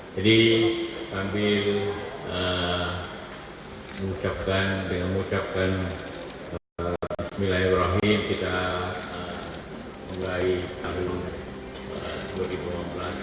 jadi kami mengucapkan dengan mengucapkan bismillahirrahmanirrahim